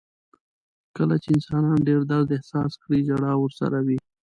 • کله چې انسان ډېر درد احساس کړي، ژړا ورسره وي.